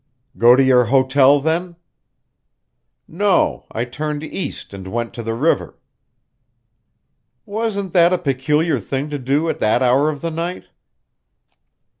"Go to your hotel then?" "No; I turned east and went to the river." "Wasn't that a peculiar thing to do at that hour of the night?"